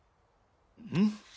うん？